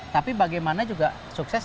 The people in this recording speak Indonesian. tapi bagaimana juga sukses